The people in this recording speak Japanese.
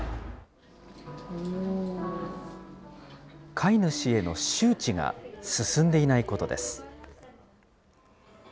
飼い主への周知が進んでいないことです。